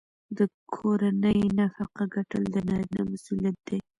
د کورنۍ نفقه ګټل د نارینه مسوولیت دی.